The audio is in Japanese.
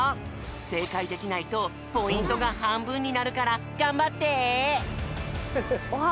せいかいできないとポイントがはんぶんになるからがんばって！